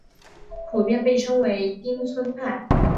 普遍被称为町村派。